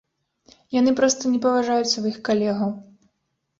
Яны проста не паважаюць сваіх калегаў.